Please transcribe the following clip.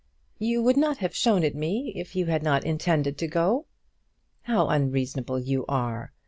"You would not have shown it me if you had not intended to go." "How unreasonable you are!